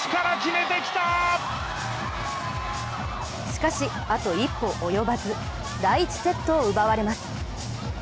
しかし、あと一歩及ばず第１セットを奪われます。